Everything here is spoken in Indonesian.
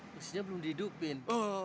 busnya belum didupin